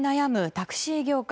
タクシー業界。